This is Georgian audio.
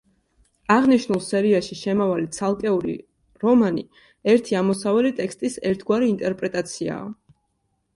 აღნიშნულ სერიაში შემავალი ცალკეული რომანი ერთი ამოსავალი ტექსტის ერთგვარი ინტერპრეტაციაა.